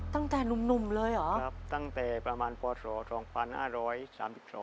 ตั้งแต่หนุ่มเลยหรอครับตั้งแต่ประมาณปศ๒๕๓๒